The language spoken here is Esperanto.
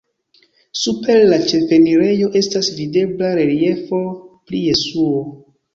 Super la ĉefenirejo estas videbla reliefo pri Jesuo.